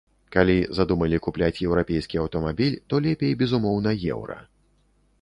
Калі задумалі купляць еўрапейскі аўтамабіль, то лепей, безумоўна, еўра.